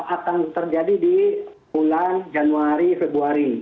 akan terjadi di bulan januari februari